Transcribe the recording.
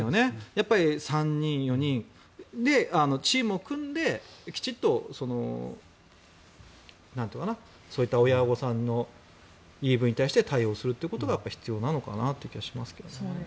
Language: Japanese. やっぱり３人、４人チームを組んできちんとそういった親御さんの言い分に対して対応するということが必要なのかなという気がしますけどね。